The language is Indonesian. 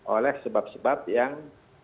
oleh sebab sebab yang